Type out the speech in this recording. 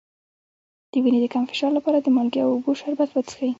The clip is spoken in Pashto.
د وینې د کم فشار لپاره د مالګې او اوبو شربت وڅښئ